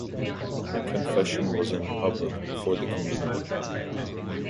Confession was in public before the community.